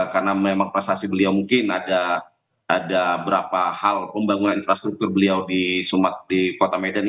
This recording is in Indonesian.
karena memang prestasi beliau mungkin ada beberapa hal pembangunan infrastruktur beliau di kota medan ini